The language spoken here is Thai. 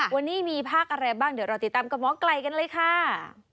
วันนี้มีภาคอะไรบ้างเดี๋ยวเราติดตามกับหมอไก่กันเลยค่ะ